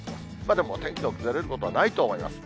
でも、天気の崩れることはないと思います。